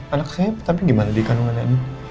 anak saya tapi gimana di kandungannya